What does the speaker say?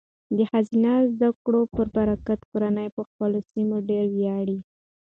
د ښځینه زده کړې په برکت، کورنۍ په خپلو سیمو ډیر ویاړي.